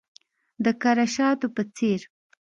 د کره شاتو په څیرې